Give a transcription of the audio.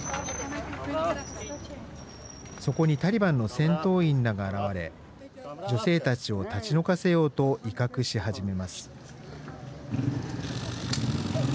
そこにタリバンの戦闘員らが現れ女性たちを立ち退かせようと威嚇し始めます。